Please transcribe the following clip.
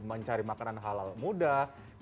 mencari makanan halal muda mencari makanan yang lebih baik